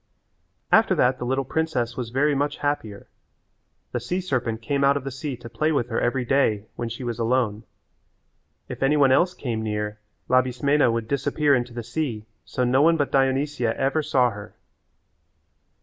After that the little princess was very much happier. The sea serpent came out of the sea to play with her every day when she was alone. If any one else came near Labismena would disappear into the sea so no one but Dionysia ever saw her.